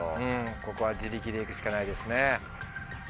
ここは自力で行くしかないですね。